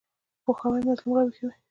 پوهاوی مظلوم راویښوي.